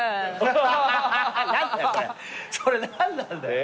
それ何なんだよ。え？